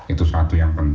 itu satu yang penting